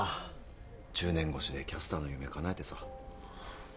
１０年越しでキャスターの夢かなえてさ。